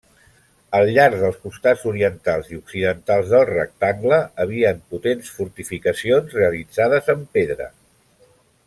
Al llarg dels costats orientals i occidentals del rectangle havien potents fortificacions realitzades en pedra.